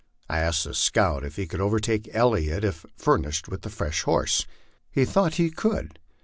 I asked the scout if he could overtake Elliot if fur nished with a fresh horse. He thought he could.